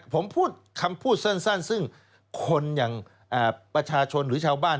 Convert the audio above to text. ผมพูดคำพูดสั้นซึ่งคนอย่างประชาชนหรือชาวบ้าน